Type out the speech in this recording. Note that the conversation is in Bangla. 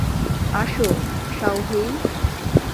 আসো, শাওহেই।